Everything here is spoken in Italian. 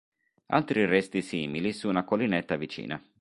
Altri resti simili su una collinetta vicina.